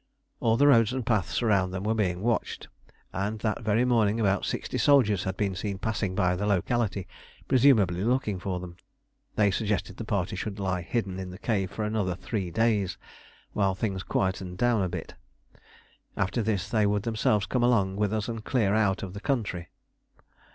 All the roads and paths round about were being watched, and that very morning about sixty soldiers had been seen passing by the locality, presumably looking for them. They suggested the party should lie hidden in the cave for another three days, while things quietened down a bit. After this they would themselves come along with us and clear out of the country.